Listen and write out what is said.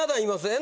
・え！？